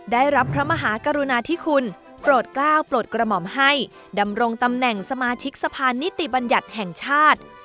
ได้รับพระมหากรุณาธิคุณโปรดกล้าวโปรดกระหม่อมให้ดำรงตำแหน่งสมาชิกสะพานนิติบัญญัติแห่งชาติ